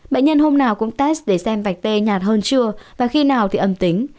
bệnh nhân hôm nào cũng test để xem vạch tê nhạt hơn trưa và khi nào thì âm tính